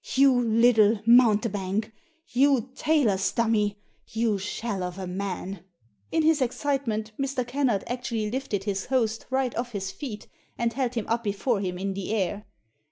"You little mountebank ! You tailor's dummy ! You shell of a man !* In his excitement Mr. Kennard actually lifted his host right off his feet, and held him up before him in the air.